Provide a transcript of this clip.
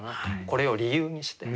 これを理由にして。